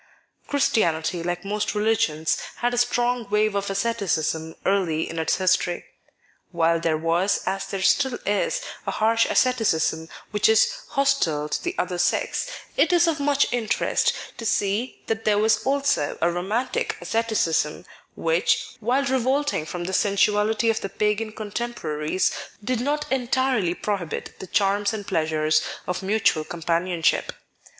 Christianity, like most religions, had a strong wave of asceticism early in its history. While there was, as there still is, a harsh asceticism which is hostile to the other sex, it is of much interest to see that there was also a romantic asceticism which, while revolting from the sensuality of the pagan contemporaries, did not entirely prohibit the charms and pleasures of mutual companionship.